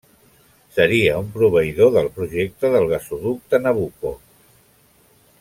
Seria un proveïdor del projecte del Gasoducte Nabucco.